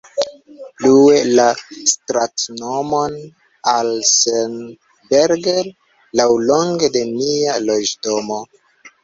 Plue, la stratnomon Alsenberger laŭlonge de mia loĝdomo.